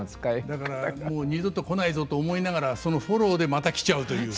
だから「もう二度と来ないぞ」と思いながらそのフォローでまた来ちゃうという。